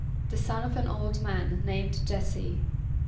=The son of an old man named J[)e]s´se.